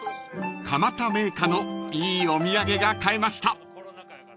［蒲田銘菓のいいお土産が買えました］